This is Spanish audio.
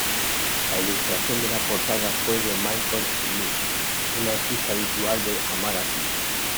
La ilustración de la portada fue de Malcolm Smith, un artista habitual de "Amazing".